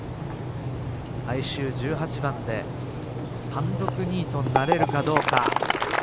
最終１８番で単独２位となれるかどうか。